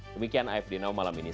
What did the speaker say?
demikian afd now malam ini